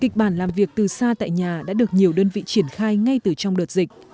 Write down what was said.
kịch bản làm việc từ xa tại nhà đã được nhiều đơn vị triển khai ngay từ trong đợt dịch